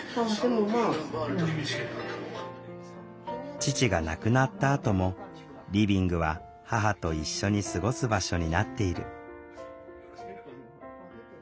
父が亡くなったあともリビングは母と一緒に過ごす場所になっている。